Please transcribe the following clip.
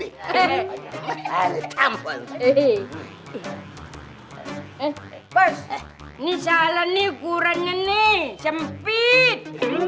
ini salah nih ukurannya nih sempit